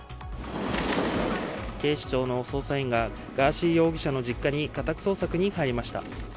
警視庁の捜査員がガーシー容疑者の実家に家宅捜索に入りました。